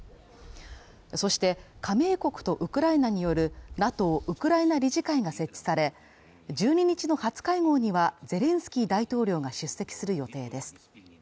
そして、加盟国とウクライナによるＮＡＴＯウクライナ理事会が設置され、１２日の初会合にはゼレンスキー大統領が出席する予定です。